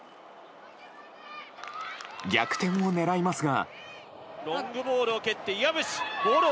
逆転を狙いますが。